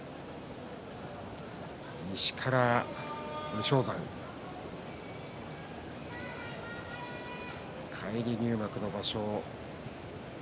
西から武将山返り入幕の場所。